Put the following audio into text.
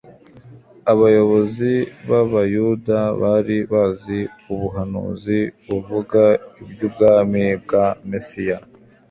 Abayobozi b'abayuda bari bazi ubuhanuzi buvuga iby'ubwami bwa Mesiya,